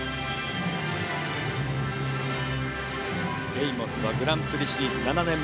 エイモズはグランプリシリーズ７年目。